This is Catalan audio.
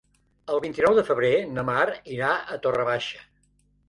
El vint-i-nou de febrer na Mar irà a Torre Baixa.